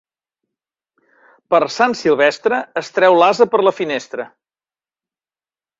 Per Sant Silvestre es treu l'ase per la finestra.